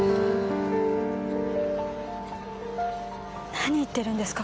何言ってるんですか？